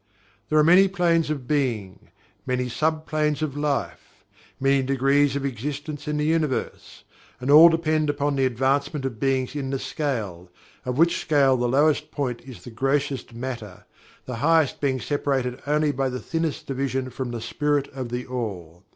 There are many planes of Being many sub planes of Life many degrees of existence in the Universe. And all depend upon the advancement of beings in the scale, of which scale the lowest point is the grossest matter, the highest being separated only by the thinnest division from the SPIRIT of THE ALL.